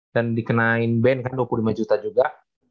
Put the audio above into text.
dan dikenain ban kan dua puluh lima juta juga